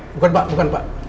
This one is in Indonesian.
bukan pak bukan pak